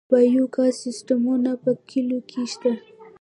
د بایو ګاز سیستمونه په کلیو کې شته؟